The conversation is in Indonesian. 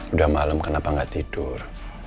udah malem kenapa gak tidur